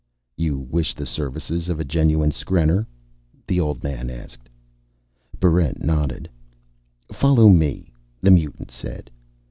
"You wish the services of a genuine skrenner?" the old man asked. Barrent nodded. "Follow me," the mutant said.